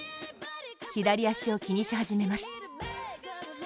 左足を気にし始めます。